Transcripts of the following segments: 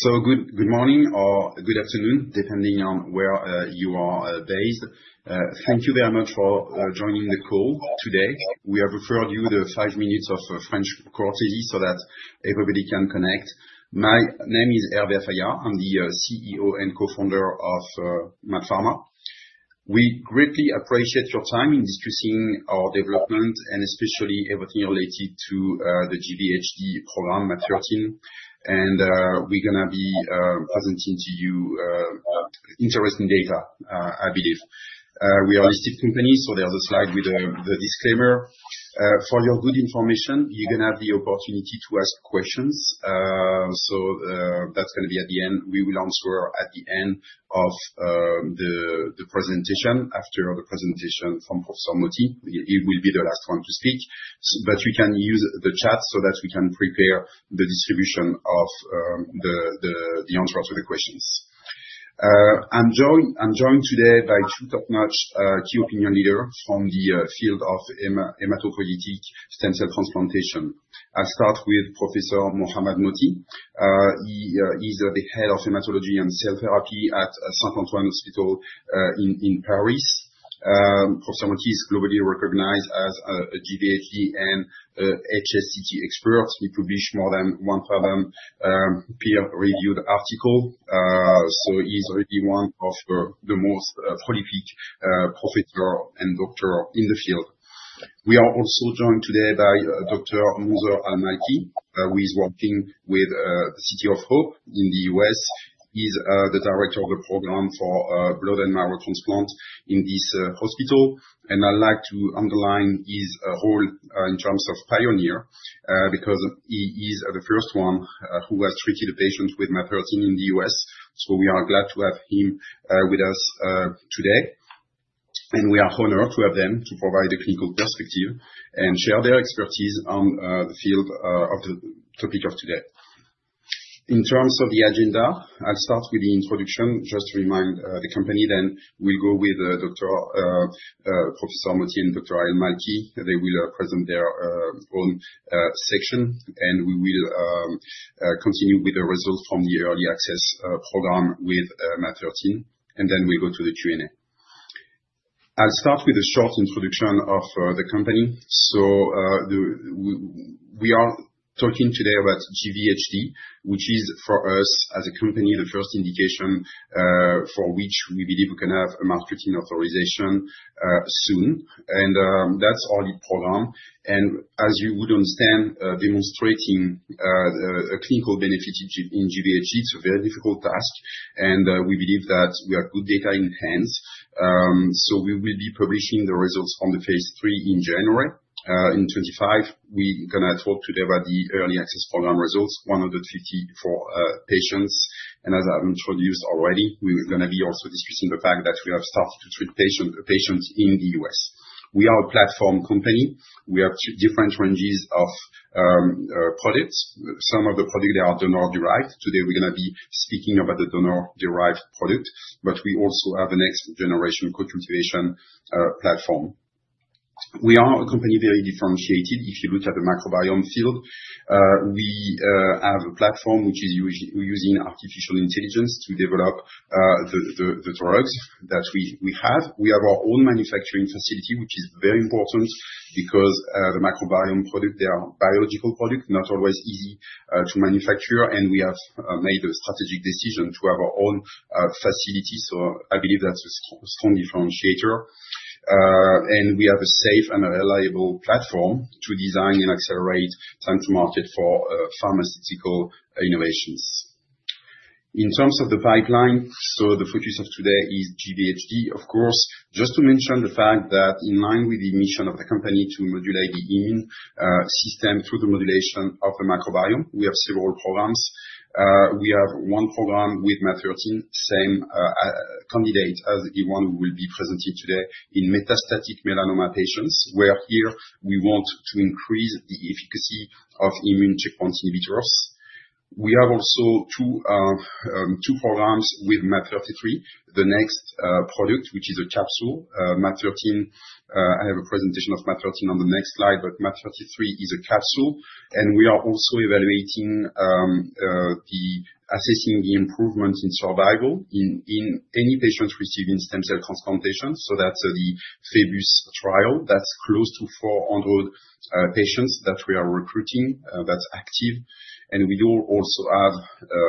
Good morning or good afternoon, depending on where you are based. Thank you very much for joining the call today. We have referred you the five minutes of French quarters so that everybody can connect. My name is Hervé Affagard. I'm the CEO and co-founder of MaaT Pharma. We greatly appreciate your time in discussing our development and especially everything related to the GVHD program, MaaT013. And we're going to be presenting to you interesting data, I believe. We are a listed company, so there's a slide with the disclaimer. For your good information, you're going to have the opportunity to ask questions. So that's going to be at the end. We will answer at the end of the presentation. After the presentation from Professor Mohty, he will be the last one to speak. But you can use the chat so that we can prepare the distribution of the answers to the questions. I'm joined today by two top-notch key opinion leaders from the field of hematopoietic stem cell transplantation. I'll start with Professor Mohammad Mohty. He is the head of hematology and cell therapy at Saint-Antoine Hospital in Paris. Professor Mohty is globally recognized as a GVHD and HSCT expert. He published more than 1,000 peer-reviewed articles. So he's already one of the most prolific professors and doctors in the field. We are also joined today by Dr. Monzr Al-Malki, who is working with the City of Hope in the U.S..He's the director of the program for blood and marrow transplant in this hospital. I'd like to underline his role in terms of pioneer because he is the first one who has treated a patient with MaaT013 in the U.S.. We are glad to have him with us today. We are honored to have them to provide a clinical perspective and share their expertise on the field of the topic of today. In terms of the agenda, I'll start with the introduction just to remind the company. We'll go with Prof. Mohamad Mohty and Dr. Monzr Al-Malki. They will present their own section. We will continue with the results from the early access program with MaaT013. We'll go to the Q&A. I'll start with a short introduction of the company. We are talking today about GVHD, which is for us as a company, the first indication for which we believe we can have a marketing authorization soon. And that's our lead program. And as you would understand, demonstrating a clinical benefit in GVHD, it's a very difficult task. And we believe that we have good data in hand. We will be publishing the results on the phase 3 in January 2025. We're going to talk today about the early access program results, 154 patients. And as I've introduced already, we're going to be also discussing the fact that we have started to treat patients in the U.S.. We are a platform company. We have different ranges of products. Some of the products are donor-derived. Today, we're going to be speaking about the donor-derived product. But we also have an exponential co-cultivation platform. We are a company very differentiated. If you look at the microbiome field, we have a platform which is using artificial intelligence to develop the drugs that we have. We have our own manufacturing facility, which is very important because the microbiome products, they are biological products, not always easy to manufacture. We have made a strategic decision to have our own facility. So I believe that's a strong differentiator. We have a safe and reliable platform to design and accelerate time-to-market for pharmaceutical innovations. In terms of the pipeline, the focus of today is GVHD, of course. Just to mention the fact that in line with the mission of the company to modulate the immune system through the modulation of the microbiome, we have several programs. We have one program with MaaT013, same candidate as the one who will be presenting today in metastatic melanoma patients, where here we want to increase the efficacy of immune checkpoint inhibitors. We have also two programs with MaaT013. The next product, which is a capsule, MaaT033. I have a presentation of MaaT033 on the next slide, but MaaT033 is a capsule. We are also evaluating and assessing the improvement in survival in any patients receiving stem cell transplantation. That's the PHEBUS trial. That's close to 400 patients that we are recruiting. That's active. We do also have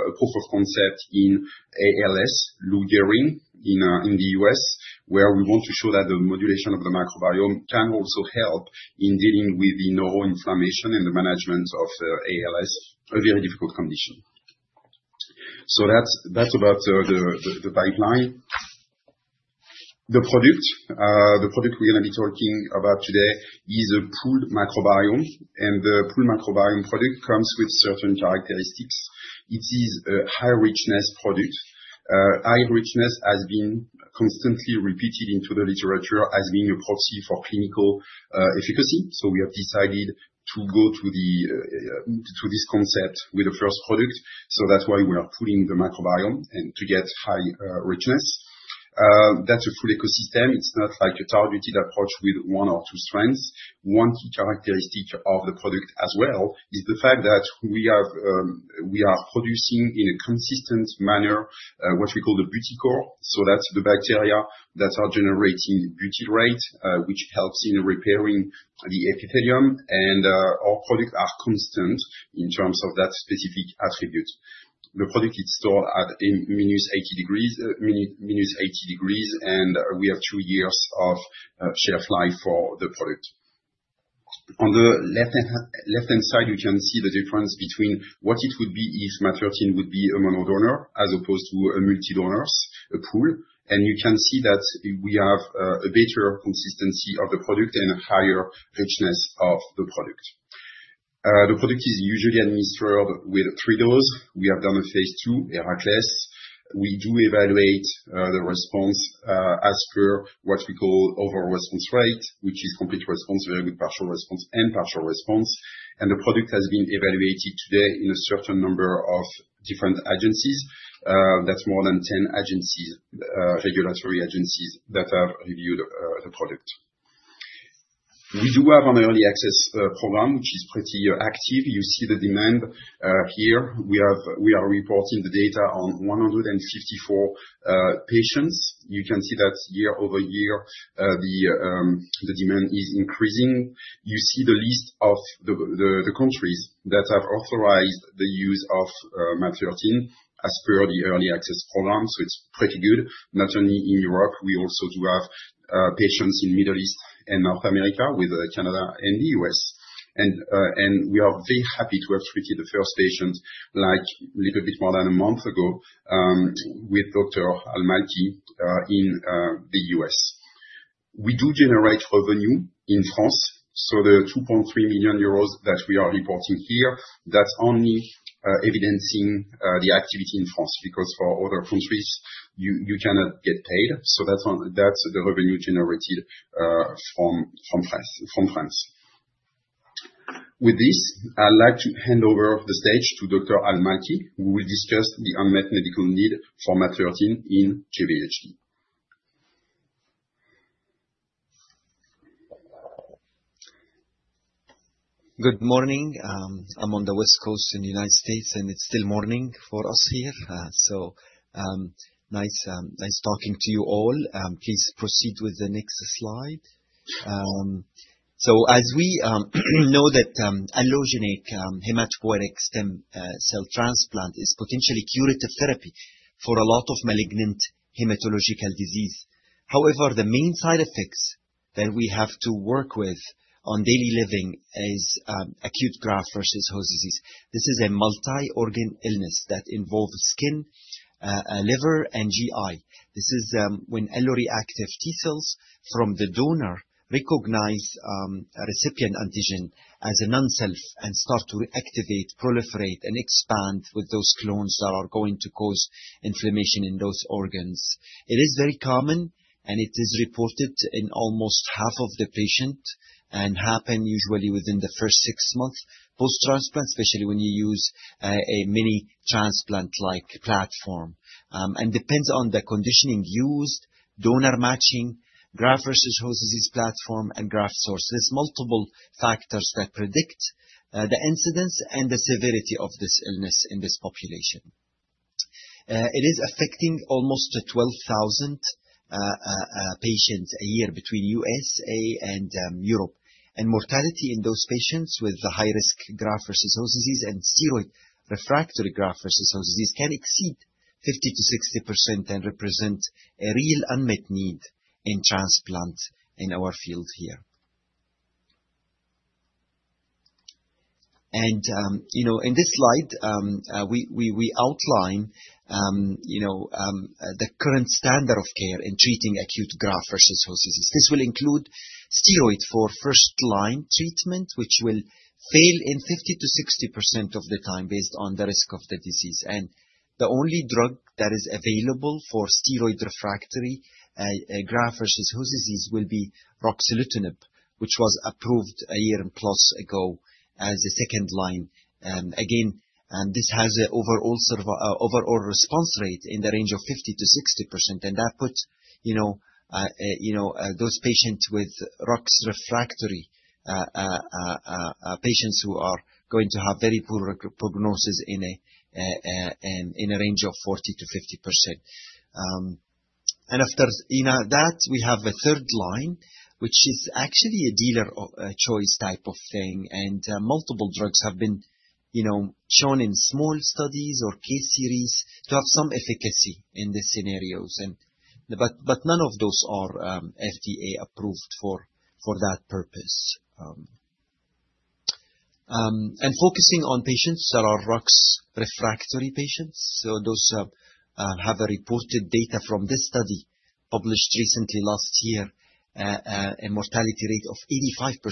a proof of concept in ALS, Lou Gehrig's in the U.S., where we want to show that the modulation of the microbiome can also help in dealing with the neuroinflammation and the management of ALS, a very difficult condition. That's about the pipeline. The product we're going to be talking about today is a pooled microbiome. The pooled microbiome product comes with certain characteristics. It is a high-richness product. High-richness has been constantly repeated into the literature as being a proxy for clinical efficacy. We have decided to go to this concept with the first product. That's why we are pooling the microbiome and to get high-richness. That's a full ecosystem. It's not like a targeted approach with one or two strains. One key characteristic of the product as well is the fact that we are producing in a consistent manner what we call the Butycore. That's the bacteria that are generating butyrate, which helps in repairing the epithelium. Our products are constant in terms of that specific attribute. The product is stored at minus 80 degrees. We have two years of shelf life for the product. On the left-hand side, you can see the difference between what it would be if MaaT013 would be a monodonor as opposed to a multi-donor pool. You can see that we have a better consistency of the product and a higher richness of the product. The product is usually administered with three doses. We have done a phase 2, HERACLES. We do evaluate the response as per what we call overall response rate, which is complete response, very good partial response, and partial response. The product has been evaluated to date in a certain number of different agencies. That's more than 10 regulatory agencies that have reviewed the product. We do have an early access program, which is pretty active. You see the demand here. We are reporting the data on 154 patients. You can see that year over year, the demand is increasing. You see the list of the countries that have authorized the use of MaaT013 as per the early access program, so it's pretty good. Not only in Europe, we also do have patients in the Middle East and North America with Canada and the U.S., and we are very happy to have treated the first patient like a little bit more than a month ago with Dr. Al-Malki in the US. We do generate revenue in France. So the 2.3 million euros that we are reporting here, that's only evidencing the activity in France because for other countries, you cannot get paid, so that's the revenue generated from France. With this, I'd like to hand over the stage to Dr. Al-Malki, who will discuss the unmet medical need for MaaT013 in GVHD. Good morning. I'm on the West Coast in the United States, and it's still morning for us here. So nice talking to you all. Please proceed with the next slide. So as we know that allogeneic hematopoietic stem cell transplant is potentially curative therapy for a lot of malignant hematological disease. However, the main side effects that we have to work with on daily living is acute graft-versus-host disease. This is a multi-organ illness that involves skin, liver, and GI. This is when alloreactive T cells from the donor recognize a recipient antigen as a non-self and start to activate, proliferate, and expand with those clones that are going to cause inflammation in those organs. It is very common, and it is reported in almost half of the patients and happens usually within the first six months post-transplant, especially when you use a mini-transplant-like platform. It depends on the conditioning used, donor matching, graft-versus-host disease platform, and graft source. There are multiple factors that predict the incidence and the severity of this illness in this population. It is affecting almost 12,000 patients a year between the US and Europe. Mortality in those patients with the high-risk graft-versus-host disease and steroid-refractory graft-versus-host disease can exceed 50%-60% and represent a real unmet need in transplant in our field here. In this slide, we outline the current standard of care in treating acute graft-versus-host disease. This will include steroid for first-line treatment, which will fail in 50%-60% of the time based on the risk of the disease. The only drug that is available for steroid-refractory graft-versus-host disease will be Ruxolitinib, which was approved a year plus ago as a second line. Again, this has an overall response rate in the range of 50%-60%. That puts those patients with Rux-refractory patients who are going to have very poor prognosis in a range of 40%-50%. After that, we have a third line, which is actually a physician's choice type of thing. Multiple drugs have been shown in small studies or case series to have some efficacy in these scenarios. None of those are FDA-approved for that purpose. Focusing on patients that are rux-refractory patients, so those have reported data from this study published recently last year, a mortality rate of 85%,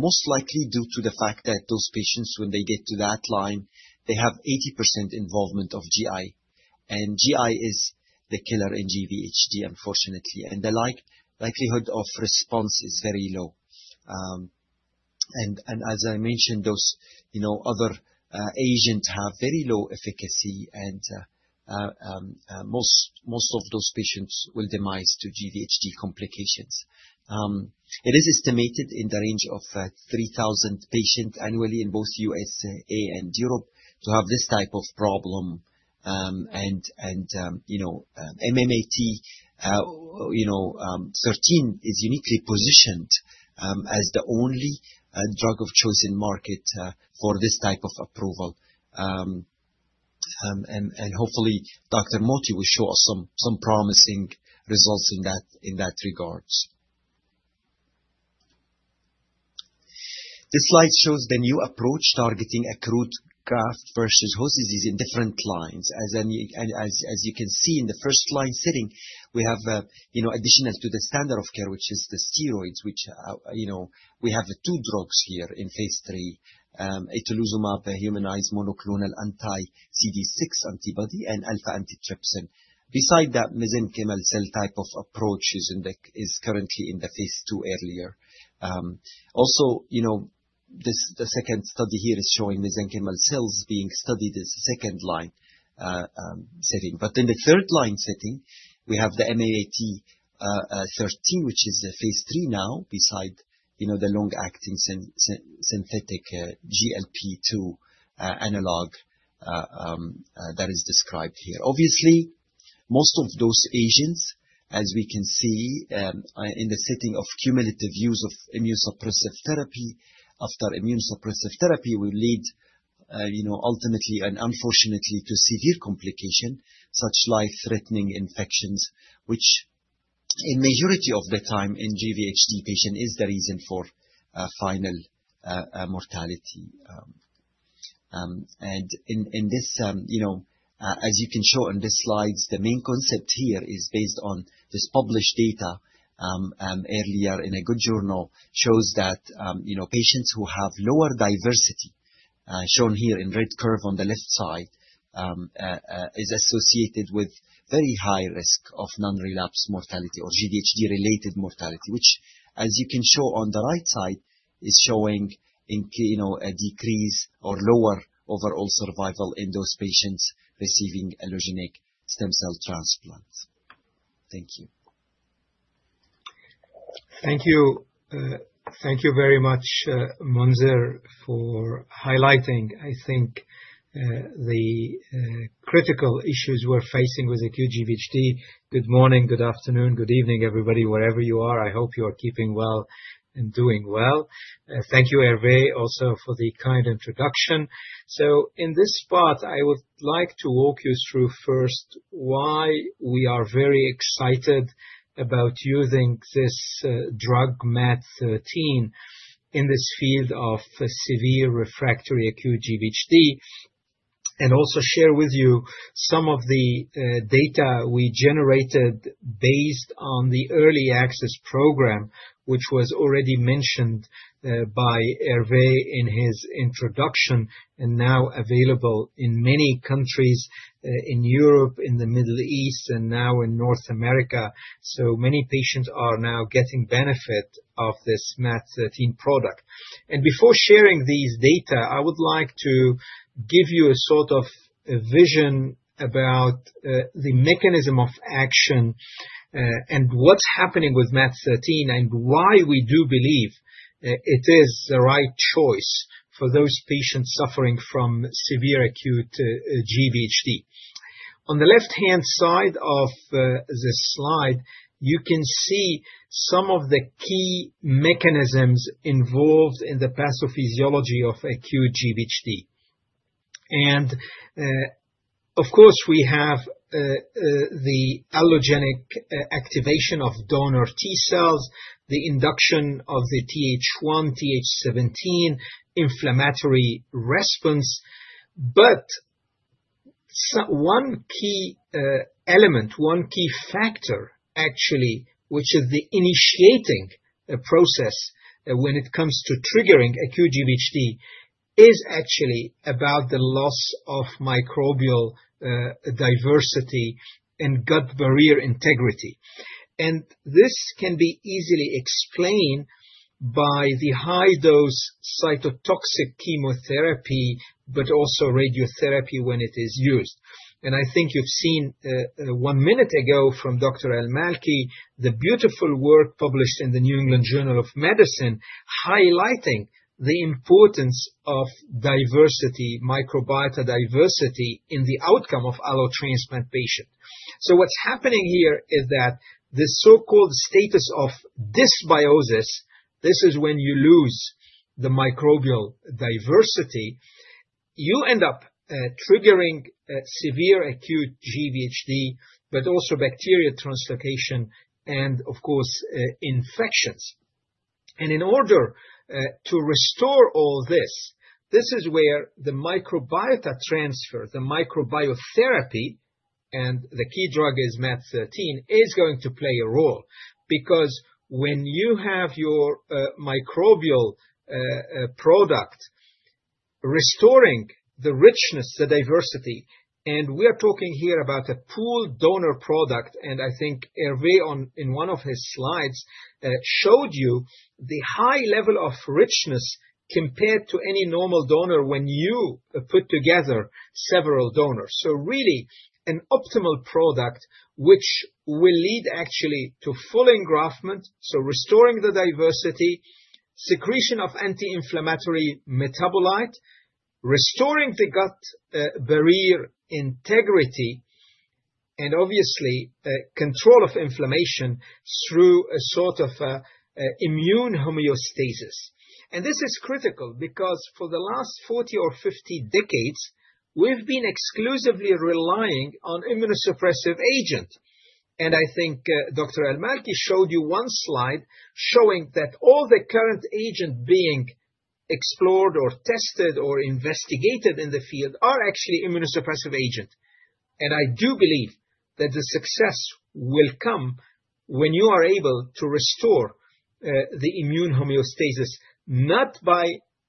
most likely due to the fact that those patients, when they get to that line, they have 80% involvement of GI. And GI is the killer in GVHD, unfortunately. And the likelihood of response is very low. And as I mentioned, those other agents have very low efficacy. And most of those patients will demise to GVHD complications. It is estimated in the range of 3,000 patients annually in both the USA and Europe to have this type of problem. And MaaT013 is uniquely positioned as the only drug of choice in the market for this type of approval. And hopefully, Dr. Mohty will show us some promising results in that regard. This slide shows the new approach targeting acute graft-versus-host disease in different lines. As you can see in the first-line setting, we have in addition to the standard of care, which is the steroids, which we have two drugs here in phase 3, Itolizumab, a humanized monoclonal anti-CD6 antibody, and alpha-1 antitrypsin. Besides that, mesenchymal cell type of approach is currently in the phase 2 earlier. Also, the second study here is showing mesenchymal cells being studied as a second-line setting. But in the third-line setting, we have the MaaT013, which is phase 3 now, besides the long-acting synthetic GLP-2 analog that is described here. Obviously, most of those agents, as we can see in the setting of cumulative use of immunosuppressive therapy, after immunosuppressive therapy, will lead ultimately and unfortunately to severe complications such as life-threatening infections, which in the majority of the time in GVHD patients is the reason for final mortality, and as you can show in these slides, the main concept here is based on this published data earlier in a good journal, shows that patients who have lower diversity, shown here in the red curve on the left side, is associated with very high risk of non-relapse mortality or GVHD-related mortality, which, as you can show on the right side, is showing a decrease or lower overall survival in those patients receiving allogeneic stem cell transplant. Thank you. Thank you very much, Monzr, for highlighting, I think, the critical issues we're facing with acute GVHD. Good morning, good afternoon, good evening, everybody, wherever you are. I hope you are keeping well and doing well. Thank you, Hervé, also for the kind introduction. So in this part, I would like to walk you through first why we are very excited about using this drug, MaaT013, in this field of severe refractory acute GVHD, and also share with you some of the data we generated based on the early access program, which was already mentioned by Hervé in his introduction and now available in many countries in Europe, in the Middle East, and now in North America. So many patients are now getting benefit of this MaaT013 product. Before sharing these data, I would like to give you a sort of vision about the mechanism of action and what's happening with MaaT013 and why we do believe it is the right choice for those patients suffering from severe acute GVHD. On the left-hand side of this slide, you can see some of the key mechanisms involved in the pathophysiology of acute GVHD. Of course, we have the allogeneic activation of donor T cells, the induction of the TH1, TH17, inflammatory response. One key element, one key factor, actually, which is the initiating process when it comes to triggering acute GVHD, is actually about the loss of microbial diversity and gut barrier integrity. This can be easily explained by the high-dose cytotoxic chemotherapy, but also radiotherapy when it is used. I think you've seen one minute ago from Dr. Al-Malki, the beautiful work published in the New England Journal of Medicine highlighting the importance of diversity, microbiota diversity in the outcome of allotransplant patients. So what's happening here is that this so-called status of dysbiosis, this is when you lose the microbial diversity, you end up triggering severe acute GVHD, but also bacterial translocation and, of course, infections. And in order to restore all this, this is where the microbiota transfer, the microbiotherapy, and the key drug is MaaT013, is going to play a role because when you have your microbial product restoring the richness, the diversity, and we are talking here about a pooled donor product, and I think Hervé in one of his slides showed you the high level of richness compared to any normal donor when you put together several donors. So really an optimal product which will lead actually to full engraftment, so restoring the diversity, secretion of anti-inflammatory metabolite, restoring the gut barrier integrity, and obviously control of inflammation through a sort of immune homeostasis. And this is critical because for the last 40 or 50 decades, we've been exclusively relying on immunosuppressive agents. And I think Dr. Al-Malki showed you one slide showing that all the current agents being explored or tested or investigated in the field are actually immunosuppressive agents. And I do believe that the success will come when you are able to restore the immune homeostasis, not by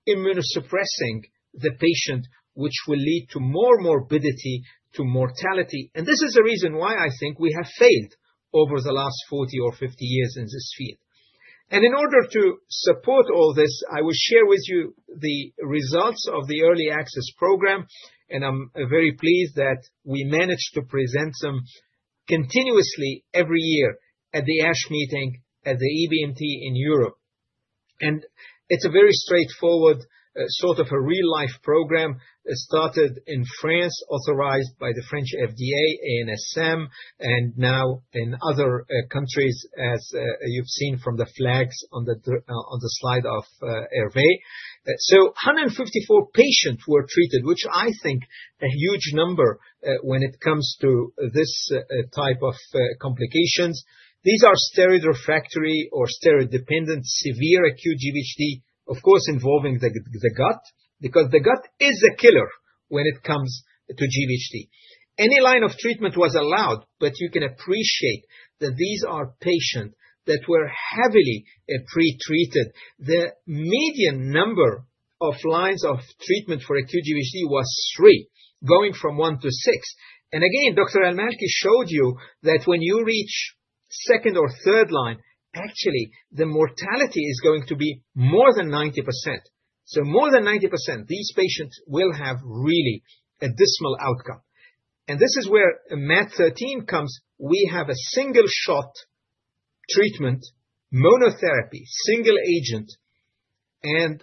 immunosuppressing the patient, which will lead to more morbidity, to mortality. And this is the reason why I think we have failed over the last 40 or 50 years in this field. And in order to support all this, I will share with you the results of the early access program. And I'm very pleased that we managed to present them continuously every year at the ASH meeting at the EBMT in Europe. And it's a very straightforward sort of a real-life program started in France, authorized by the French FDA, ANSM, and now in other countries, as you've seen from the flags on the slide of Hervé. So 154 patients were treated, which I think a huge number when it comes to this type of complications. These are steroid refractory or steroid-dependent severe acute GVHD, of course, involving the gut because the gut is a killer when it comes to GVHD. Any line of treatment was allowed, but you can appreciate that these are patients that were heavily pretreated. The median number of lines of treatment for acute GVHD was three, going from one to six. And again, Dr. Al-Malki showed you that when you reach second or third line, actually, the mortality is going to be more than 90%. So more than 90%, these patients will have really a dismal outcome. And this is where MaaT013 comes. We have a single-shot treatment, monotherapy, single agent. And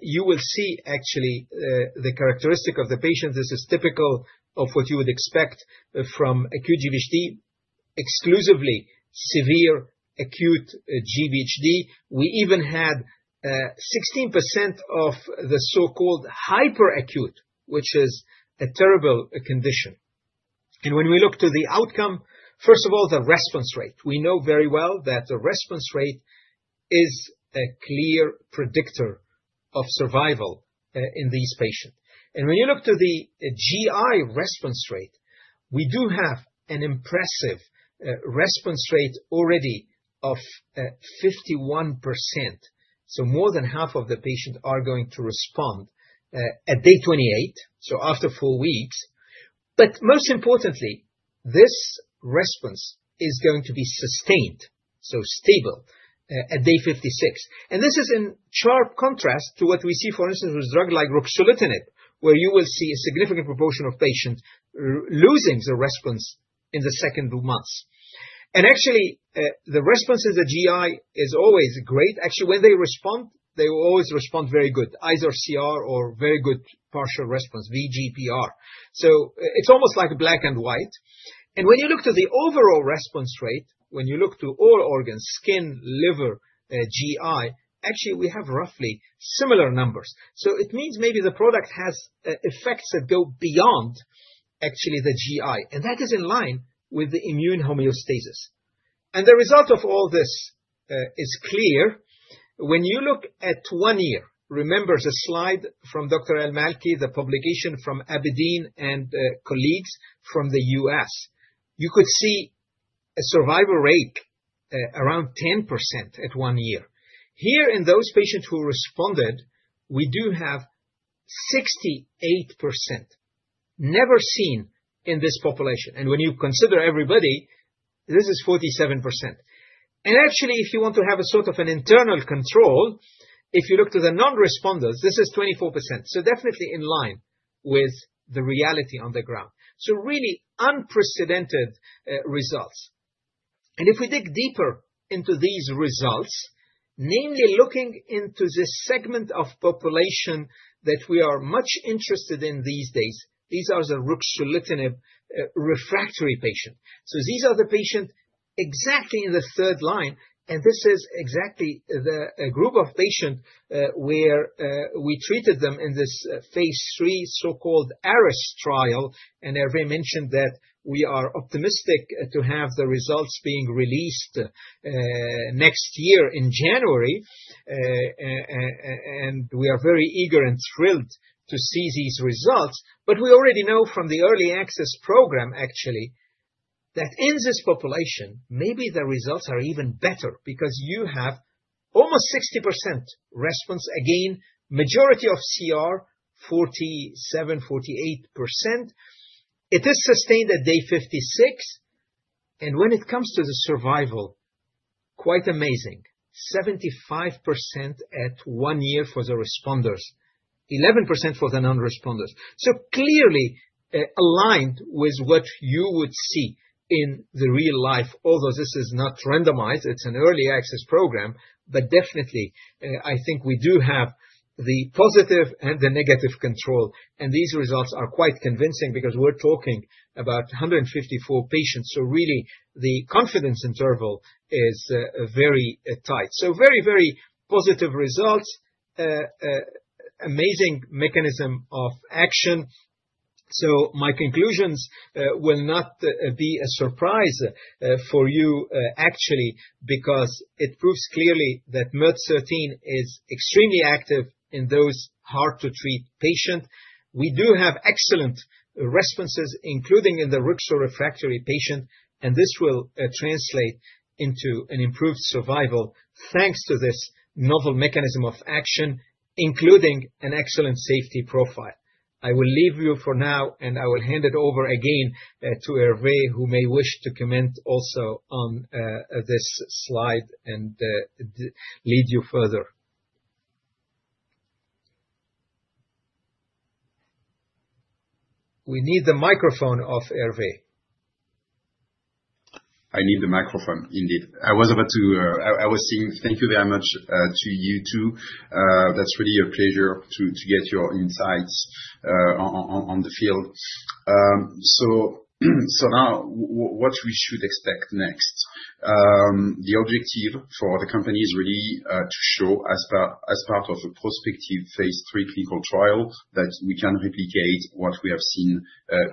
you will see actually the characteristic of the patients. This is typical of what you would expect from acute GVHD, exclusively severe acute GVHD. We even had 16% of the so-called hyperacute, which is a terrible condition. And when we look to the outcome, first of all, the response rate. We know very well that the response rate is a clear predictor of survival in these patients. And when you look to the GI response rate, we do have an impressive response rate already of 51%. So more than half of the patients are going to respond at day 28, so after four weeks. But most importantly, this response is going to be sustained, so stable at day 56. And this is in sharp contrast to what we see, for instance, with a drug like ruxolitinib, where you will see a significant proportion of patients losing the response in the second months. And actually, the response in the GI is always great. Actually, when they respond, they will always respond very good, either CR or very good partial response, VGPR. So it's almost like black and white. And when you look to the overall response rate, when you look to all organs, skin, liver, GI, actually, we have roughly similar numbers. So it means maybe the product has effects that go beyond actually the GI. And that is in line with the immune homeostasis. And the result of all this is clear. When you look at one year, remember the slide from Dr. Al-Malki, the publication from Abedin and colleagues from the US, you could see a survival rate around 10% at one year. Here in those patients who responded, we do have 68%, never seen in this population. And when you consider everybody, this is 47%. And actually, if you want to have a sort of an internal control, if you look to the non-responders, this is 24%. So definitely in line with the reality on the ground. So really unprecedented results. If we dig deeper into these results, namely looking into this segment of population that we are much interested in these days, these are the ruxolitinib-refractory patients. These are the patients exactly in the third-line. This is exactly the group of patients where we treated them in this phase 3, so-called ARES trial. Hervé mentioned that we are optimistic to have the results being released next year in January. We are very eager and thrilled to see these results. We already know from the early access program, actually, that in this population, maybe the results are even better because you have almost 60% response. Again, majority of CR, 47%, 48%. It is sustained at day 56. When it comes to the survival, quite amazing, 75% at one year for the responders, 11% for the non-responders. So clearly aligned with what you would see in real life, although this is not randomized. It's an early access program, but definitely, I think we do have the positive and the negative control. And these results are quite convincing because we're talking about 154 patients. So really, the confidence interval is very tight. So very, very positive results, amazing mechanism of action. So my conclusions will not be a surprise for you, actually, because it proves clearly that MaaT013 is extremely active in those hard-to-treat patients. We do have excellent responses, including in the ruxolitinib-refractory patients. And this will translate into an improved survival thanks to this novel mechanism of action, including an excellent safety profile. I will leave you for now, and I will hand it over again to Hervé, who may wish to comment also on this slide and lead you further. We need the microphone of Hervé. I need the microphone, indeed. I was about to. I was saying thank you very much to you too. That's really a pleasure to get your insights on the field. So now, what we should expect next, the objective for the company is really to show as part of a prospective phase 3 clinical trial that we can replicate what we have seen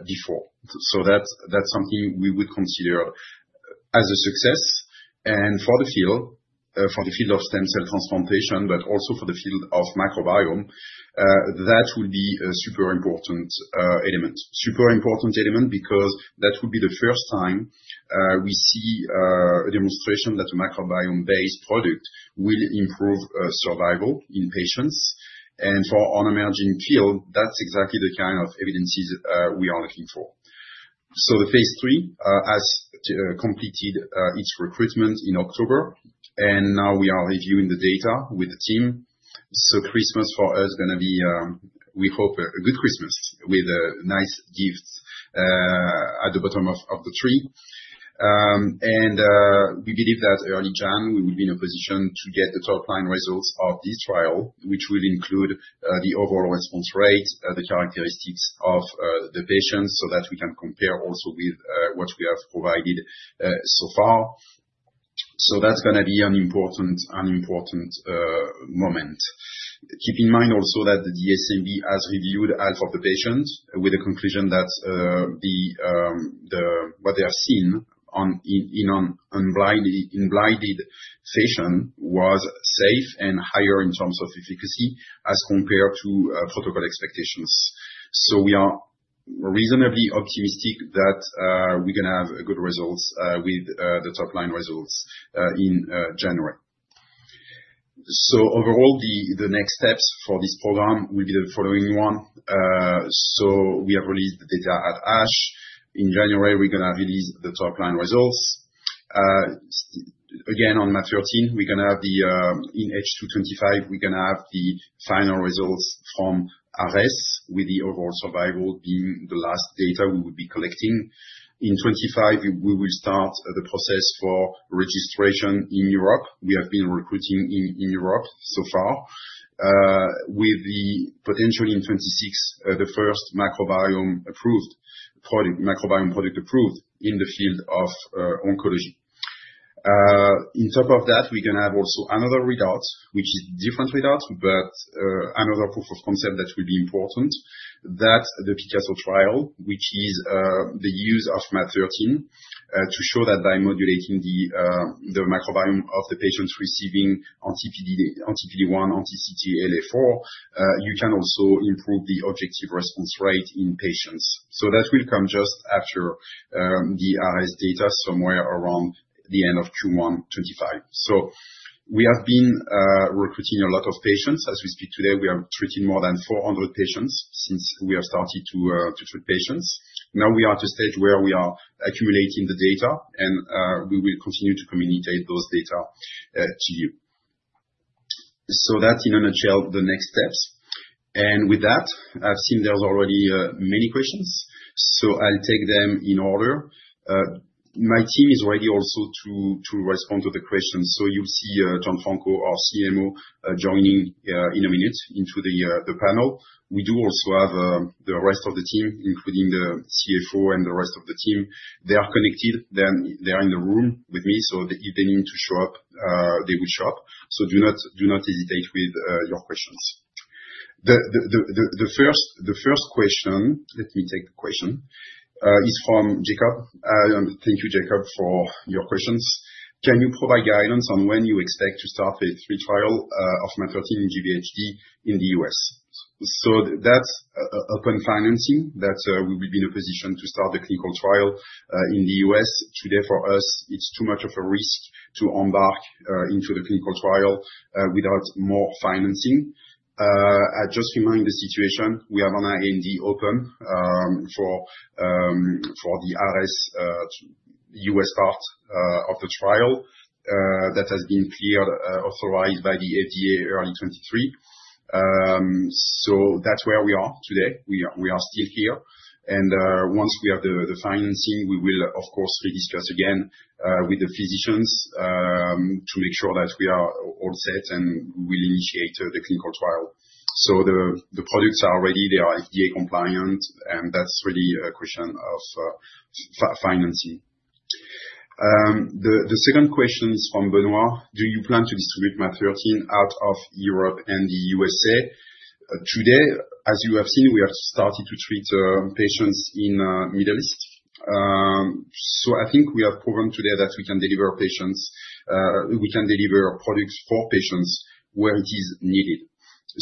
before. So that's something we would consider as a success. And for the field, for the field of stem cell transplantation, but also for the field of microbiome, that will be a super important element. Super important element because that will be the first time we see a demonstration that a microbiome-based product will improve survival in patients. And for an emerging field, that's exactly the kind of evidence we are looking for. So the phase 3 has completed its recruitment in October. Now we are reviewing the data with the team. Christmas for us is going to be, we hope, a good Christmas with a nice gift at the bottom of the tree. We believe that early January, we will be in a position to get the top-line results of this trial, which will include the overall response rate, the characteristics of the patients so that we can compare also with what we have provided so far. That's going to be an important moment. Keep in mind also that the DSMB has reviewed half of the patients with the conclusion that what they have seen in unblinded patients was safe and higher in terms of efficacy as compared to protocol expectations. We are reasonably optimistic that we're going to have good results with the top-line results in January. Overall, the next steps for this program will be the following one. We have released the data at ASH. In January, we are going to release the top-line results. Again, on MaaT013, we are going to have the in H2 2025, we are going to have the final results from ARES with the overall survival being the last data we will be collecting. In 2025, we will start the process for registration in Europe. We have been recruiting in Europe so far with the potential in 2026, the first microbiome approved product in the field of oncology. On top of that, we're going to have also another result, which is a different result, but another proof of concept that will be important, that the PICASSO trial, which is the use of MaaT013, to show that by modulating the microbiome of the patients receiving anti-PD-1, anti-CTLA-4, you can also improve the objective response rate in patients. So that will come just after the ARES data somewhere around the end of Q1 2025. So we have been recruiting a lot of patients. As we speak today, we are treating more than 400 patients since we have started to treat patients. Now we are at a stage where we are accumulating the data, and we will continue to communicate those data to you. So that's in a nutshell, the next steps. And with that, I've seen there's already many questions. So I'll take them in order. My team is ready also to respond to the questions. You'll see Dr. Gianluca Giaccone, our CMO, joining in a minute into the panel. We do also have the rest of the team, including the CFO and the rest of the team. They are connected. They are in the room with me. If they need to show up, they will show up. Do not hesitate with your questions. The first question, let me take the question, is from Jacob. Thank you, Jacob, for your questions. Can you provide guidance on when you expect to start a phase 3 trial of MaaT013 in GVHD in the U.S.? That's dependent on financing that we will be in a position to start the clinical trial in the US. Today, for us, it's too much of a risk to embark into the clinical trial without more financing. Just remind the situation, we have an IND open for the ARES U.S. part of the trial that has been cleared, authorized by the FDA early 2023, so that's where we are today. We are still here, and once we have the financing, we will, of course, rediscuss again with the physicians to make sure that we are all set and we will initiate the clinical trial, so the products are ready. They are FDA compliant, and that's really a question of financing. The second question is from Benoit. Do you plan to distribute MaaT013 out of Europe and the USA? Today, as you have seen, we have started to treat patients in the Middle East, so I think we have proven today that we can deliver patients, we can deliver products for patients where it is needed,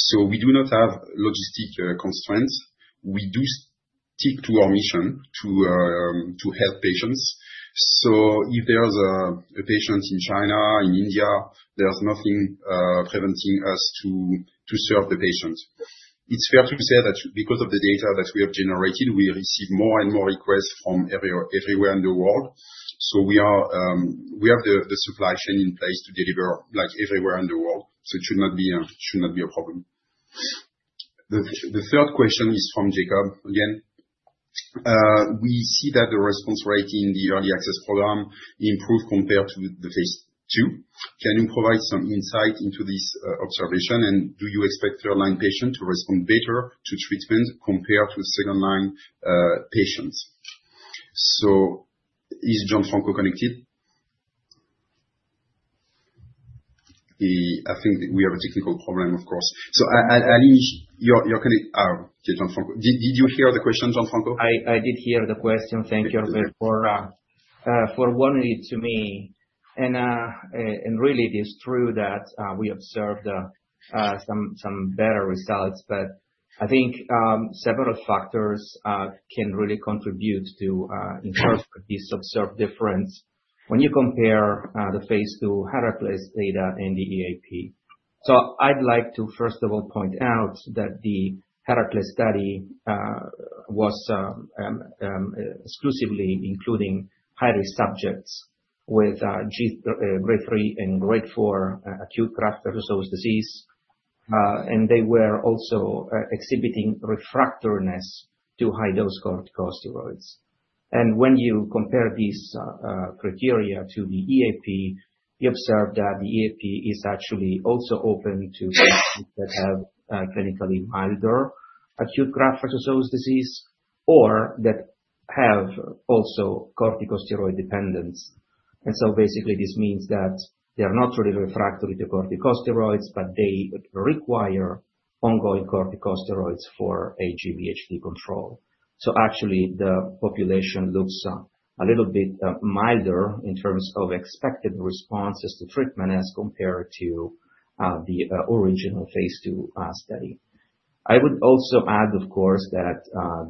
so we do not have logistic constraints. We do stick to our mission to help patients. So if there's a patient in China, in India, there's nothing preventing us from serving the patient. It's fair to say that because of the data that we have generated, we receive more and more requests from everywhere in the world. So we have the supply chain in place to deliver like everywhere in the world. So it should not be a problem. The third question is from Jacob again. We see that the response rate in the early access program improved compared to the phase 2. Can you provide some insight into this observation? And do you expect third-line patients to respond better to treatment compared to second-line patients? So is Gianluca Giaccone connected? I think we have a technical problem, of course. So Aline, you're connected. Did you hear the question, Gianluca Giaccone? I did hear the question. Thank you for bringing it to me. And really, it is true that we observed some better results. But I think several factors can really contribute to this observed difference when you compare the phase 2 HERACLES data and the EAP. So I'd like to, first of all, point out that the HERACLES study was exclusively including high-risk subjects with grade 3 and grade 4 acute graft-versus-host disease. And they were also exhibiting refractoriness to high-dose corticosteroids. And when you compare these criteria to the EAP, you observe that the EAP is actually also open to patients that have clinically milder acute graft-versus-host disease or that have also corticosteroid dependence. And so basically, this means that they are not really refractory to corticosteroids, but they require ongoing corticosteroids for GVHD control. Actually, the population looks a little bit milder in terms of expected responses to treatment as compared to the original phase two study. I would also add, of course, that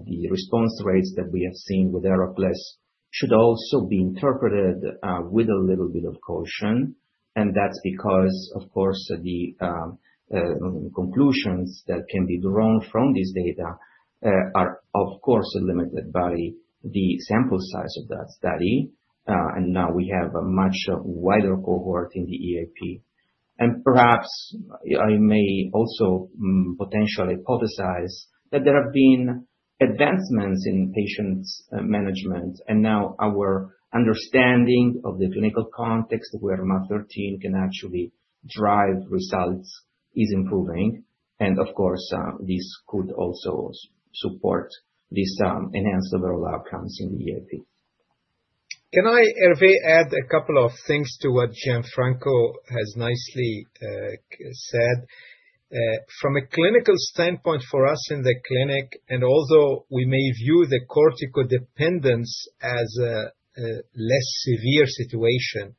the response rates that we have seen with HERACLES should also be interpreted with a little bit of caution. That's because, of course, the conclusions that can be drawn from this data are, of course, limited by the sample size of that study. Now we have a much wider cohort in the EAP. Perhaps I may also potentially hypothesize that there have been advancements in patient management. Now our understanding of the clinical context where MaaT Pharma enema can actually drive results is improving. Of course, this could also support these enhanced overall outcomes in the EAP. Can I, Hervé, add a couple of things to what Gianluca has nicely said? From a clinical standpoint for us in the clinic, and although we may view the steroid dependence as a less severe situation,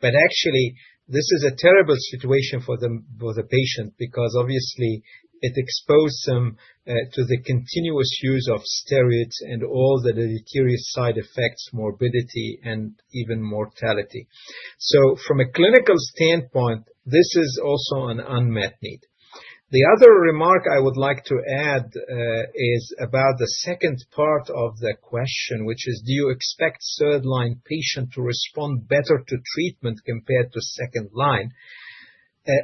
but actually, this is a terrible situation for the patient because obviously, it exposed them to the continuous use of steroids and all the deleterious side effects, morbidity, and even mortality. So from a clinical standpoint, this is also an unmet need. The other remark I would like to add is about the second part of the question, which is, do you expect third-line patients to respond better to treatment compared to second-line?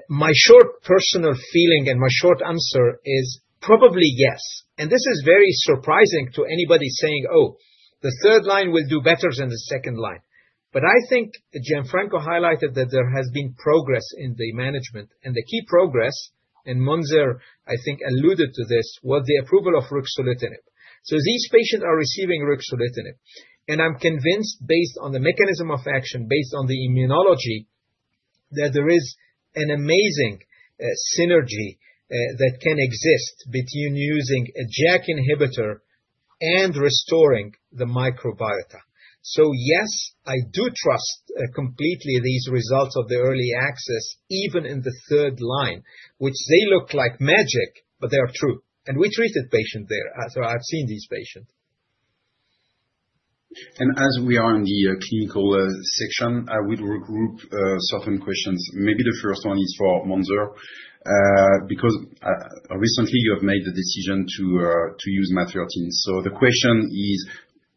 My short personal feeling and my short answer is probably yes. And this is very surprising to anybody saying, oh, the third-line will do better than the second-line. But I think Dr. Gianluca Giaccone highlighted that there has been progress in the management. And the key progress, and Monzr, I think, alluded to this, was the approval of ruxolitinib. So these patients are receiving ruxolitinib. And I'm convinced, based on the mechanism of action, based on the immunology, that there is an amazing synergy that can exist between using a JAK inhibitor and restoring the microbiota. So yes, I do trust completely these results of the early access, even in the third-line, which they look like magic, but they are true. And we treated patients there. So I've seen these patients. And as we are in the clinical section, I will regroup certain questions. Maybe the first one is for Monzr because recently, you have made the decision to use MaaT013. So the question is,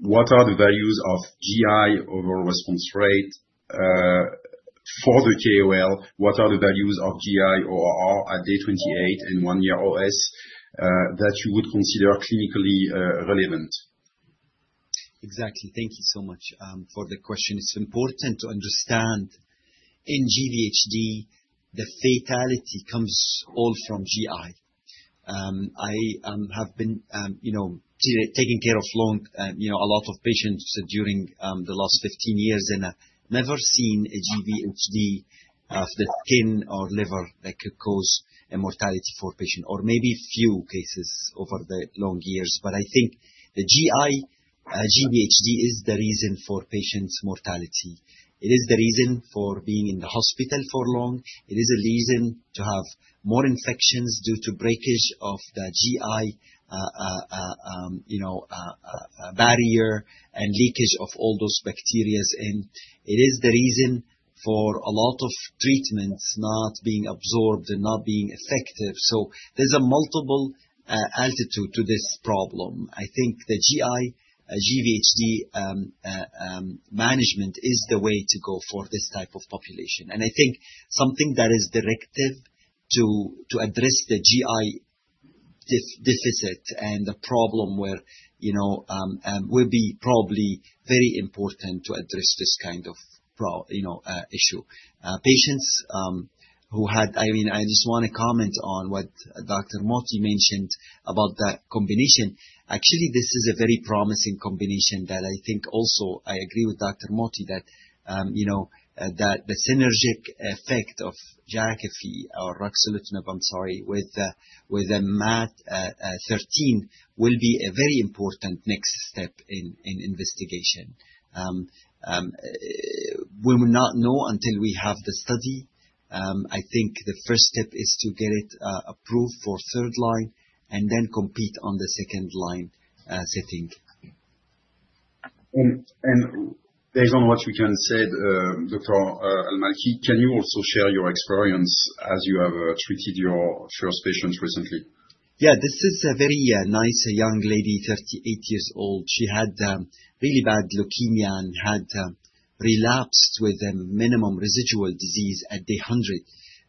what are the values of GI overall response rate for the KOL? What are the values of GI ORR at day 28 and one-year OS that you would consider clinically relevant? Exactly. Thank you so much for the question. It's important to understand in GVHD, the fatality comes all from GI. I have been taking care of a lot of patients during the last 15 years and have never seen a GVHD of the skin or liver that could cause a mortality for a patient, or maybe few cases over the long years. But I think the GVHD is the reason for patient mortality. It is the reason for being in the hospital for long. It is a reason to have more infections due to breakage of the GI barrier and leakage of all those bacteria in. It is the reason for a lot of treatments not being absorbed and not being effective. So there's a multitude to this problem. I think the GI GVHD management is the way to go for this type of population. I think something that is directive to address the GI deficit and the problem where will be probably very important to address this kind of issue. Patients who had, I mean, I just want to comment on what Dr. Mohty mentioned about that combination. Actually, this is a very promising combination that I think also I agree with Dr. Mohty that the synergistic effect of JAK or ruxolitinib, I'm sorry, with MaaT013 will be a very important next step in investigation. We will not know until we have the study. I think the first step is to get it approved for third-line and then compete on the second-line setting. Based on what we just said, Dr. Al-Malki, can you also share your experience as you have treated your first patients recently? Yeah, this is a very nice young lady, 38 years old. She had really bad leukemia and had relapsed with minimum residual disease at day 100.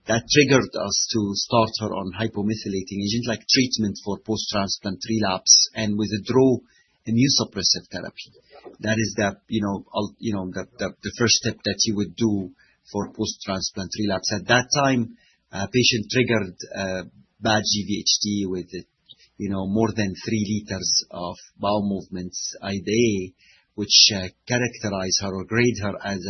That triggered us to start her on hypomethylating agent like treatment for post-transplant relapse and withdraw immunosuppressive therapy. That is the first step that you would do for post-transplant relapse. At that time, a patient triggered bad GVHD with more than 3 liters of bowel movements a day, which characterized her or graded her as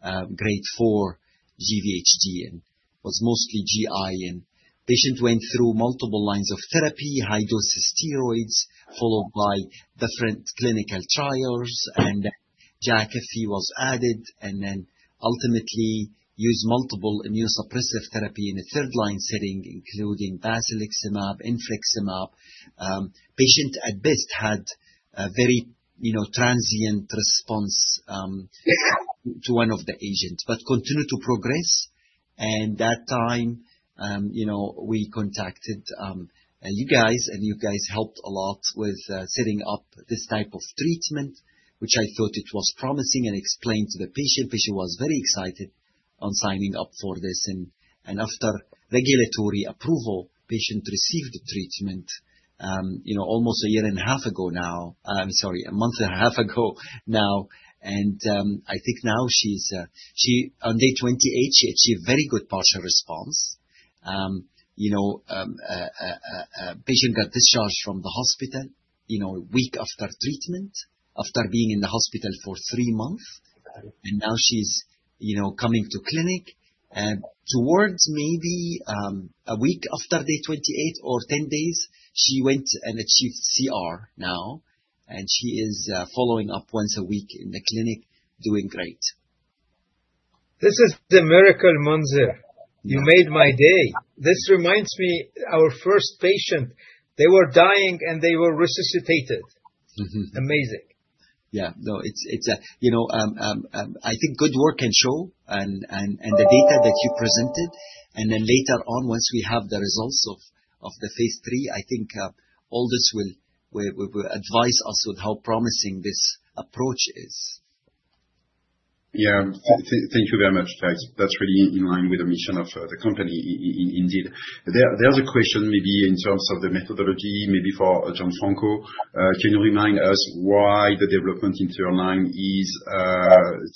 a grade 4 GVHD and was mostly GI. And the patient went through multiple lines of therapy, high-dose steroids, followed by different clinical trials. And then JAK was added and then ultimately used multiple immunosuppressive therapy in a third-line setting, including basiliximab, infliximab. The patient at best had a very transient response to one of the agents, but continued to progress. And at that time, we contacted you guys, and you guys helped a lot with setting up this type of treatment, which I thought was promising and explained to the patient. The patient was very excited on signing up for this. And after regulatory approval, the patient received treatment almost a year and a half ago now, sorry, a month and a half ago now. And I think now she's on day 28; she achieved very good partial response. The patient got discharged from the hospital a week after treatment, after being in the hospital for three months. And now she's coming to clinic. And towards maybe a week after day 28 or 10 days, she went and achieved CR now. And she is following up once a week in the clinic, doing great. This is the miracle, Monzr. You made my day. This reminds me of our first patient. They were dying, and they were resuscitated. Amazing. Yeah, no, I think good work and shown the data that you presented. Then later on, once we have the results of the phase three, I think all this will advise us on how promising this approach is. Yeah, thank you very much. That's really in line with the mission of the company, indeed. There's a question maybe in terms of the methodology, maybe for Dr. Gianluca Giaccone. Can you remind us why the development in third-line is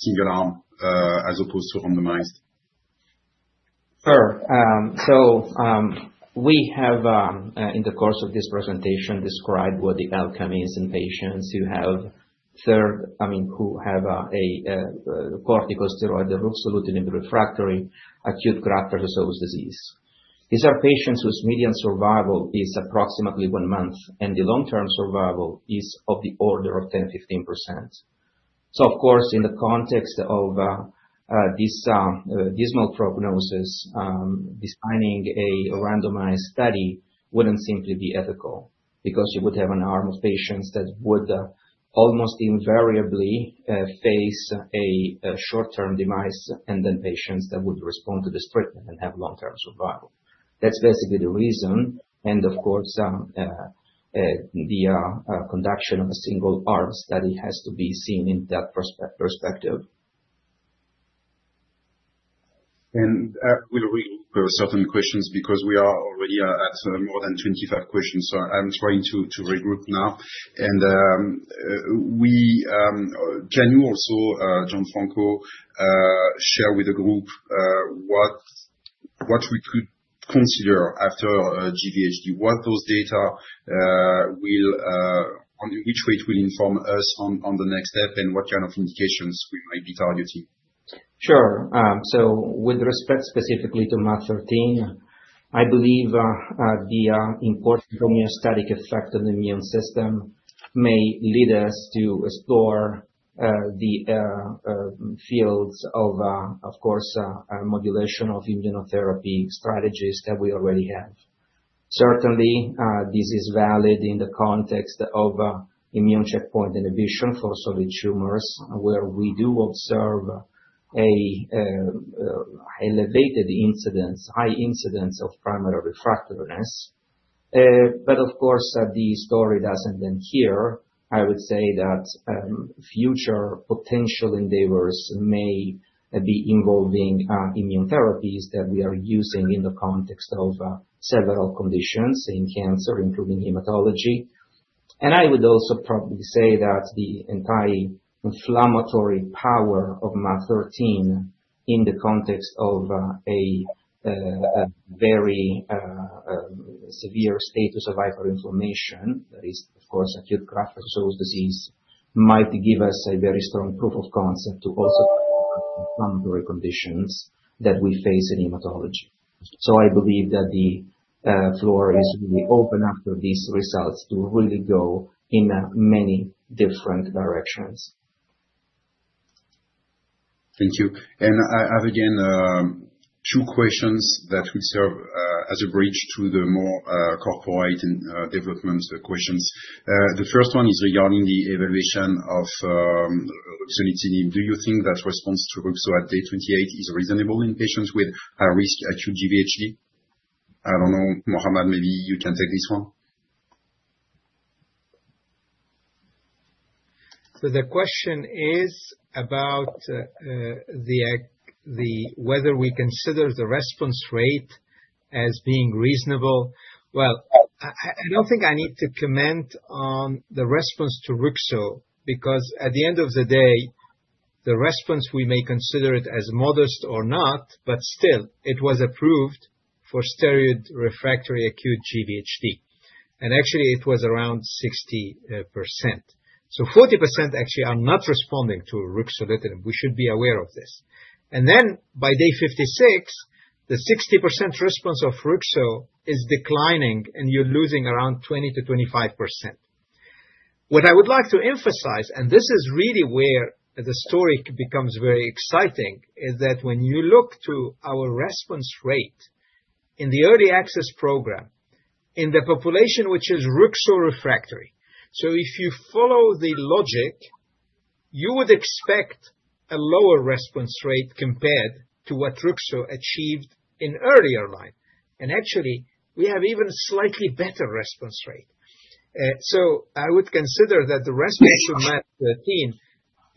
single-arm as opposed to randomized? Sure. So we have, in the course of this presentation, described what the outcome is in patients who have, I mean, who have a corticosteroid ruxolitinib refractory acute graft-versus-host disease. These are patients whose median survival is approximately one month, and the long-term survival is of the order of 10%-15%. So, of course, in the context of this slim prognosis, designing a randomized study wouldn't simply be ethical because you would have an arm of patients that would almost invariably face a short-term demise and then patients that would respond to this treatment and have long-term survival. That's basically the reason. And of course, the conduct of a single-arm study has to be seen in that perspective. We'll regroup with certain questions because we are already at more than 25 questions. So I'm trying to regroup now. Can you also, Dr. Gianluca Giaccone, share with the group what we could consider after GVHD? What those data will, in which way it will inform us on the next step and what kind of indications we might be targeting? Sure. So with respect specifically to MaaT013, I believe the important homeostatic effect of the immune system may lead us to explore the fields of, of course, modulation of immunotherapy strategies that we already have. Certainly, this is valid in the context of immune checkpoint inhibition for solid tumors where we do observe a high incidence of primary refractoriness. But of course, the story doesn't end here. I would say that future potential endeavors may be involving immune therapies that we are using in the context of several conditions in cancer, including hematology. I would also probably say that the entire inflammatory power of MaaT013 in the context of a very severe status of hyperinflammation, that is, of course, acute graft-versus-host disease, might give us a very strong proof of concept to also inflammatory conditions that we face in hematology. So I believe that the floor is really open after these results to really go in many different directions. Thank you. And I have again two questions that would serve as a bridge to the more corporate development questions. The first one is regarding the evaluation of ruxolitinib. Do you think that response to ruxo at day 28 is reasonable in patients with high-risk acute GVHD? I don't know. Mohammad, maybe you can take this one. The question is about whether we consider the response rate as being reasonable. Well, I don't think I need to comment on the response to ruxo because at the end of the day, the response, we may consider it as modest or not, but still, it was approved for steroid-refractory acute GVHD. And actually, it was around 60%. So 40% actually are not responding to ruxolitinib. We should be aware of this. And then by day 56, the 60% response of ruxo is declining, and you're losing around 20%-25%. What I would like to emphasize, and this is really where the story becomes very exciting, is that when you look to our response rate in the early access program in the population which is ruxo refractory, so if you follow the logic, you would expect a lower response rate compared to what ruxo achieved in earlier line. Actually, we have even a slightly better response rate. I would consider that the response to MaaT013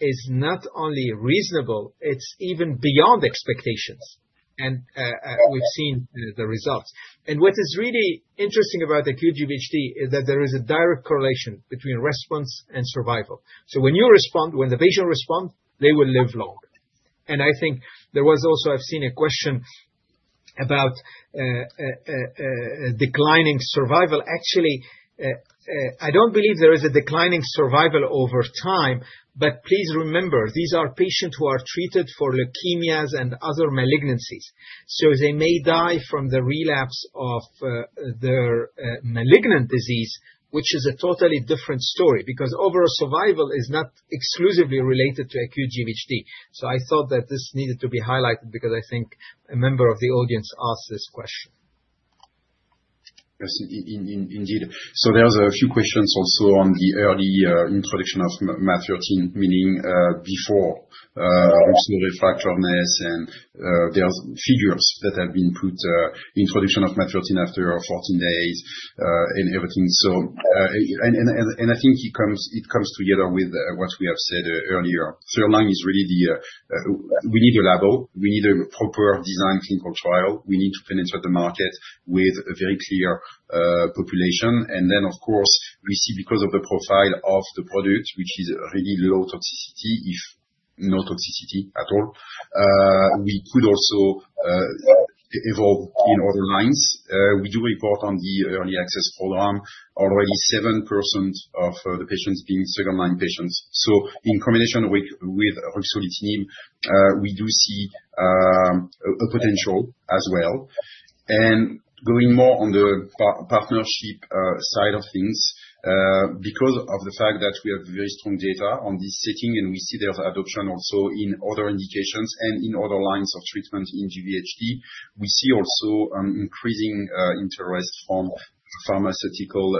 is not only reasonable; it's even beyond expectations. We've seen the results. What is really interesting about acute GVHD is that there is a direct correlation between response and survival. When you respond, when the patient responds, they will live longer. I think there was also, I've seen a question about declining survival. Actually, I don't believe there is a declining survival over time, but please remember, these are patients who are treated for leukemias and other malignancies. So they may die from the relapse of their malignant disease, which is a totally different story because overall survival is not exclusively related to acute GVHD. So I thought that this needed to be highlighted because I think a member of the audience asked this question. Yes, indeed. So there are a few questions also on the early introduction of MaaT013, meaning before ruxo refractoriness, and there are figures that have been put, introduction of MaaT013 after 14 days and everything. And I think it comes together with what we have said earlier. Third-line is really the we need a label. We need a proper design clinical trial. We need to penetrate the market with a very clear population. And then, of course, we see because of the profile of the product, which is really low toxicity, if no toxicity at all, we could also evolve in other lines. We do report on the early access program, already 7% of the patients being second-line patients. So in combination with ruxolitinib, we do see a potential as well. Going more on the partnership side of things, because of the fact that we have very strong data on this setting, and we see there's adoption also in other indications and in other lines of treatment in GVHD, we see also an increasing interest from pharmaceutical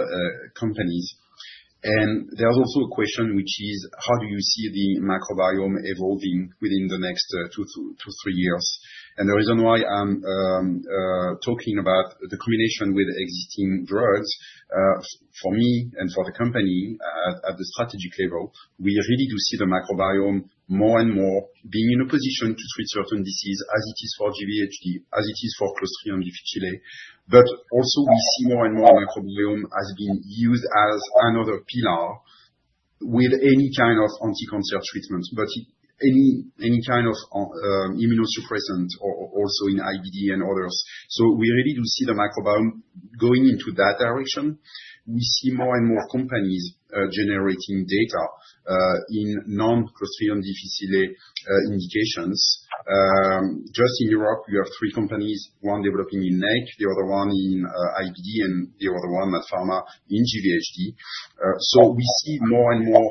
companies. There's also a question, which is, how do you see the microbiome evolving within the next two to three years? The reason why I'm talking about the combination with existing drugs, for me and for the company at the strategic level, we really do see the microbiome more and more being in a position to treat certain diseases as it is for GVHD, as it is for Clostridium difficile. Also, we see more and more microbiome has been used as another pillar with any kind of anti-cancer treatment, but any kind of immunosuppressant or also in IBD and others. So we really do see the microbiome going into that direction. We see more and more companies generating data in non-Clostridium difficile indications. Just in Europe, we have three companies, one developing in NEC, the other one in IBD, and the other one, MaaT Pharma, in GVHD. So we see more and more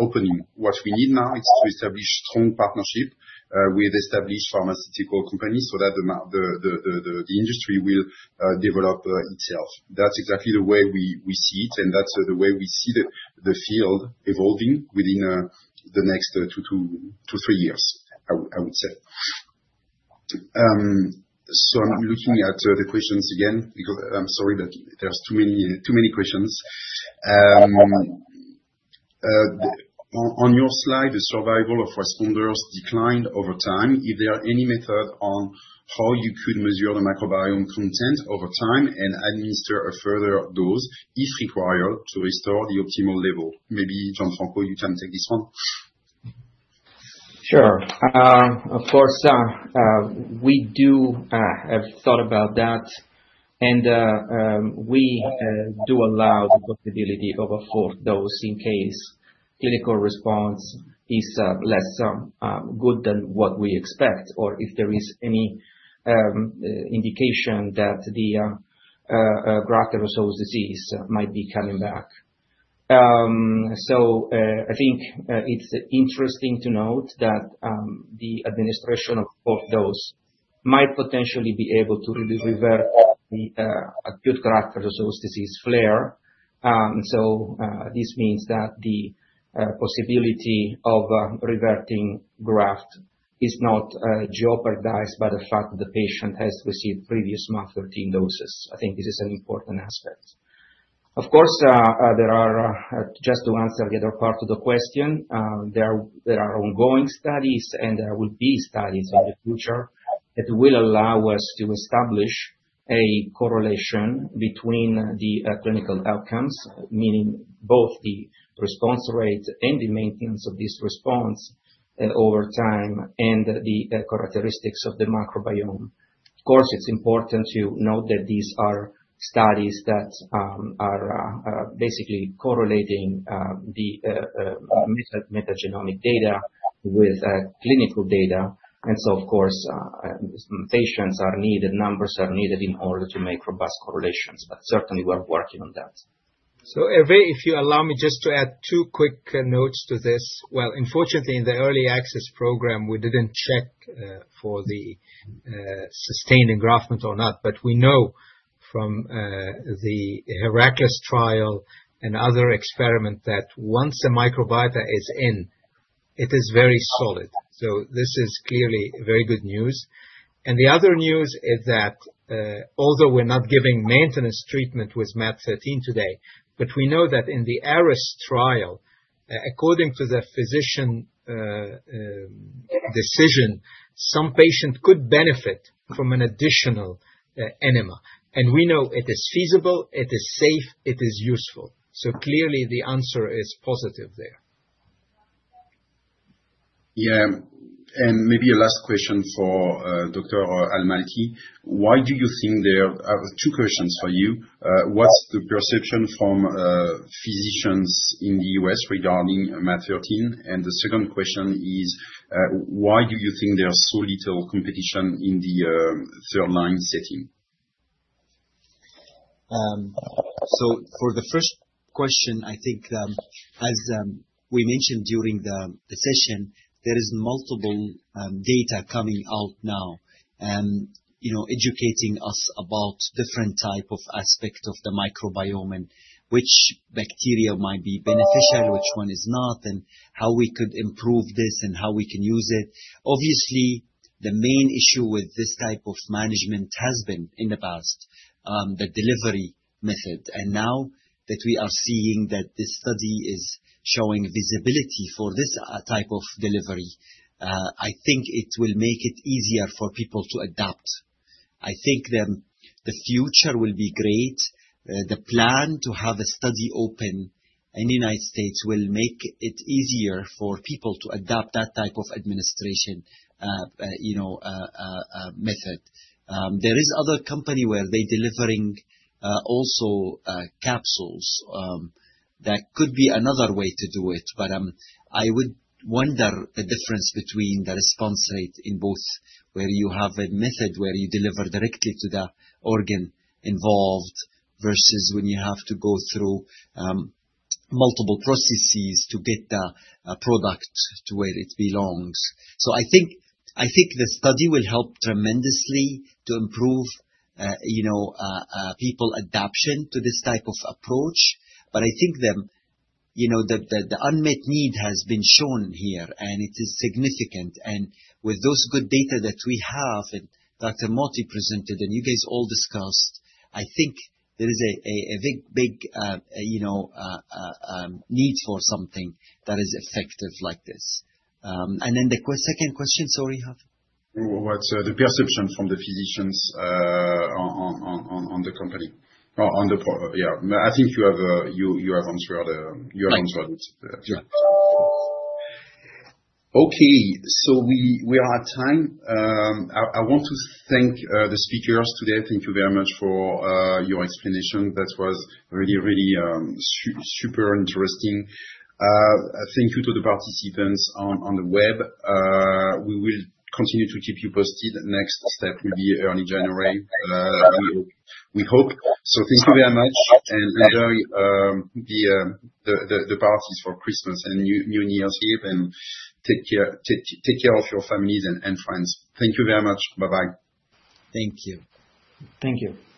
opening. What we need now is to establish strong partnerships with established pharmaceutical companies so that the industry will develop itself. That's exactly the way we see it, and that's the way we see the field evolving within the next two to three years, I would say. So I'm looking at the questions again because I'm sorry, but there's too many questions. On your slide, the survival of responders declined over time. Is there any method on how you could measure the microbiome content over time and administer a further dose if required to restore the optimal level? Maybe Dr. Gianluca Giaccone, you can take this one. Sure. Of course, we do have thought about that, and we do allow the possibility of a fourth dose in case clinical response is less good than what we expect or if there is any indication that the graft-versus-host disease might be coming back, so I think it's interesting to note that the administration of fourth dose might potentially be able to revert the acute graft-versus-host disease flare, so this means that the possibility of reverting graft-versus-host is not jeopardized by the fact that the patient has received previous MaaT013 doses. I think this is an important aspect. Of course, just to answer the other part of the question, there are ongoing studies, and there will be studies in the future that will allow us to establish a correlation between the clinical outcomes, meaning both the response rate and the maintenance of this response over time and the characteristics of the microbiome. Of course, it's important to note that these are studies that are basically correlating the metagenomic data with clinical data. And so, of course, patients are needed, numbers are needed in order to make robust correlations, but certainly, we're working on that. So if you allow me just to add two quick notes to this. Unfortunately, in the Early Access Program, we didn't check for the sustained engraftment or not, but we know from the HERACLES trial and other experiments that once a microbiota is in, it is very solid. So this is clearly very good news. And the other news is that although we're not giving maintenance treatment with MaaT013 today, but we know that in the ARES trial, according to the physician decision, some patients could benefit from an additional enema. And we know it is feasible, it is safe, it is useful. So clearly, the answer is positive there. Yeah. And maybe a last question for Dr. Monzr Al-Malki. Why do you think there are two questions for you? What's the perception from physicians in the U.S. regarding MaaT013? And the second question is, why do you think there's so little competition in the third-line setting? So for the first question, I think, as we mentioned during the session, there is multiple data coming out now and educating us about different types of aspects of the microbiome, which bacteria might be beneficial, which one is not, and how we could improve this and how we can use it. Obviously, the main issue with this type of management has been in the past, the delivery method. And now that we are seeing that this study is showing viability for this type of delivery, I think it will make it easier for people to adapt. I think the future will be great. The plan to have a study open in the United States will make it easier for people to adopt that type of administration method. There is another company where they are delivering also capsules that could be another way to do it. But I would wonder the difference between the response rate in both where you have a method where you deliver directly to the organ involved versus when you have to go through multiple processes to get the product to where it belongs. So I think the study will help tremendously to improve people's adaptation to this type of approach. But I think the unmet need has been shown here, and it is significant. And with those good data that we have and Dr. Mohty presented and you guys all discussed, I think there is a big, big need for something that is effective like this. And then the second question, sorry, how? What's the perception from the physicians on the company? Yeah. I think you have answered it. Yeah. Okay. So we are at time. I want to thank the speakers today. Thank you very much for your explanation. That was really, really super interesting. Thank you to the participants on the web. We will continue to keep you posted. Next step will be early January, we hope. So thank you very much, and enjoy the parties for Christmas and New Year's Eve, and take care of your families and friends. Thank you very much. Bye-bye. Thank you. Thank you.